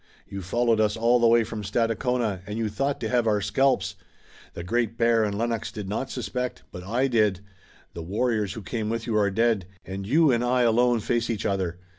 You followed us all the way from Stadacona, and you thought to have our scalps! The Great Bear and Lennox did not suspect, but I did! The warriors who came with you are dead, and you and I alone face each other!